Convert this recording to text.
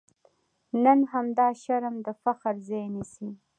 نن همدا شرم د فخر ځای نیسي.